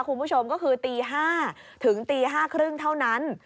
คุณผู้ชมก็คือตี๕ถึงตี๕๓๐เท่านั้น